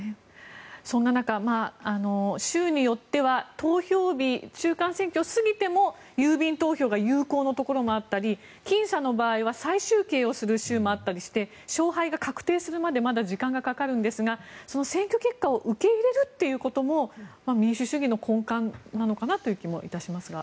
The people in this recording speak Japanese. そんな中、州によっては投票日、中間選挙を過ぎても郵便投票が有効のところもあったりきん差の場合は再集計をする州もあったりして勝敗が確定するまでまだ時間がかかるんですがその選挙結果を受け入れるということも民主主義の根幹なのかなという気もいたしますが。